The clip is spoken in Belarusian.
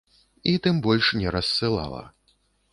І тым больш не рассылала.